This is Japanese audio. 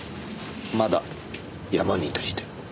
まだ山にいたりして。